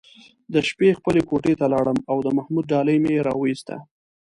د شپې خپلې کوټې ته لاړم او د محمود ډالۍ مې راوویسته.